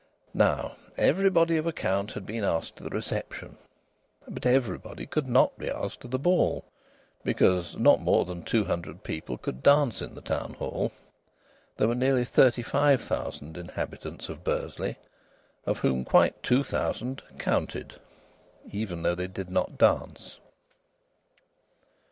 Now, everybody of account had been asked to the reception. But everybody could not be asked to the ball, because not more than two hundred people could dance in the Town Hall. There were nearly thirty five thousand inhabitants in Bursley, of whom quite two thousand "counted," even though they did not dance.